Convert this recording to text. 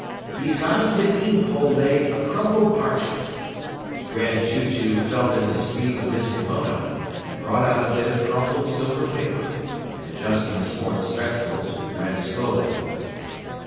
"Beside the bean pole lay a crumpled parchment." The Grand Chew Chew felt in the sleeve of his kimono and brought out a bit of crumpled silver paper, and adjusting his horn spectacles, read slowly.